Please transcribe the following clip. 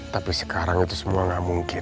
tapi sekarang itu semua nggak mungkin